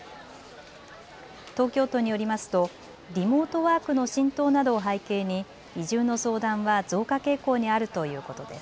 東京都によりますとリモートワークの浸透などを背景に移住の相談は増加傾向にあるということです。